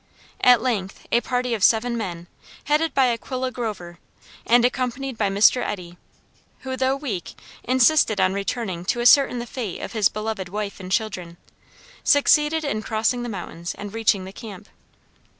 At length, a party of seven men, headed by Aquilla Glover, and accompanied by Mr. Eddy, who, though weak, insisted on returning to ascertain the fate of his beloved wife and children, succeeded in crossing the mountains and reaching the camp.